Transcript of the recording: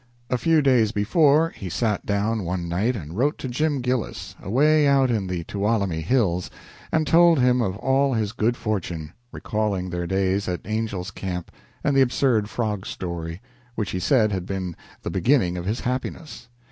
A few days before, he sat down one night and wrote to Jim Gillis, away out in the Tuolumne Hills, and told him of all his good fortune, recalling their days at Angel's Camp, and the absurd frog story, which he said had been the beginning of his happiness.